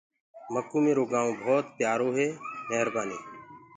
مڪوُ ميرو گآئونٚ ڀوت پيآرو هي۔ ميربآني۔